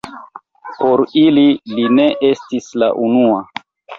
Por ili, li ne estis la unua.